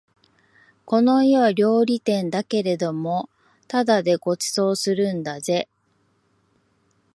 この家は料理店だけれどもただでご馳走するんだぜ